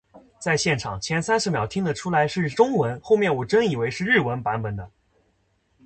在现场，前三十秒听得出来是中文，后面我真以为是日文版本的